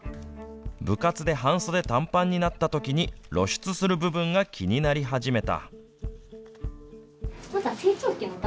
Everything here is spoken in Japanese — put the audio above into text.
部活で半袖短パンになったときに露出する部分が気になり始めた。